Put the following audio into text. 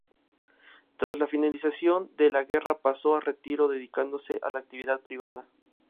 Tras la finalización de la guerra pasó a retiro, dedicándose a la actividad privada.